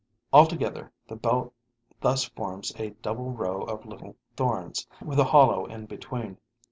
Altogether, the belt thus forms a double row of little thorns, with a hollow in between.